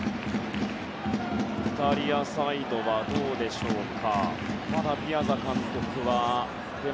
イタリアサイドはどうでしょうか。